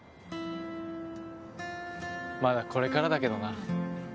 まだこれからだけどな。